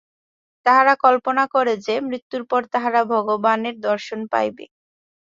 তাহারা কল্পনা করে যে, মৃত্যুর পর তাহারা ভগবানের দর্শন পাইবে।